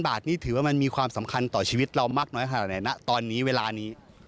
บาทนี่ถือว่ามันมีความสำคัญต่อชีวิตเรามากน้อยขนาดไหนนะตอนนี้เวลานี้